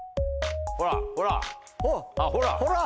ほらほらあっほら。